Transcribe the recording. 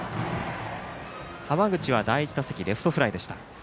浜口は第１打席レフトフライでした。